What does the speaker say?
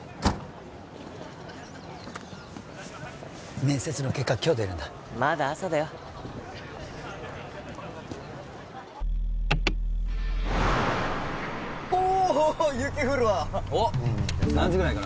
面接の結果今日出るんだまだ朝だよおお雪降るわおッ何時ぐらいから？